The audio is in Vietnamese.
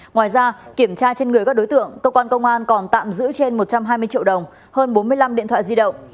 ngoài ra kiểm tra trên người các đối tượng cơ quan công an còn tạm giữ trên một trăm hai mươi triệu đồng hơn bốn mươi năm điện thoại di động